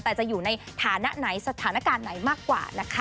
แต่จะอยู่ในฐานะไหนสถานการณ์ไหนมากกว่านะคะ